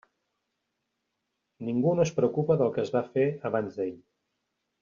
Ningú no es preocupa del que es va fer abans d'ell.